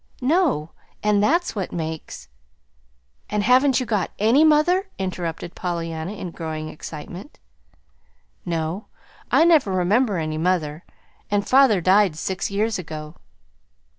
"No; and that's what makes " "And haven't you got any mother?" interrupted Pollyanna, in growing excitement. "No; I never remember any mother, and father died six years ago."